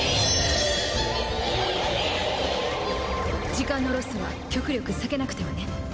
時間のロスは極力避けなくてはね。